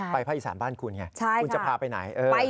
ไปพระอีสานบ้านคุณไงคุณจะพาไปไหนเออใช่ค่ะ